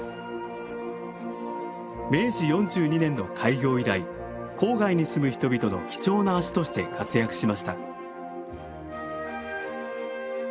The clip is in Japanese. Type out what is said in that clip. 明治４２年の開業以来郊外に住む人々の貴重な足として活躍しました。